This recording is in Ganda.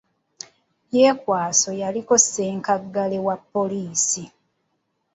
Byekwaso yaliko ssenkaggale wa poliisi.